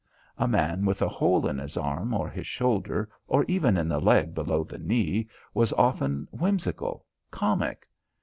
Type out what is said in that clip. A man with a hole in his arm or his shoulder, or even in the leg below the knee, was often whimsical, comic.